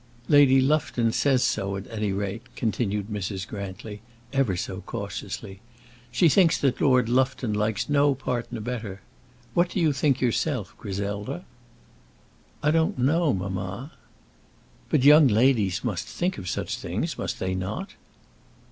"Lady Lufton says so, at any rate," continued Mrs. Grantly, ever so cautiously. "She thinks that Lord Lufton likes no partner better. What do you think yourself, Griselda?" "I don't know, mamma." "But young ladies must think of such things, must they not?"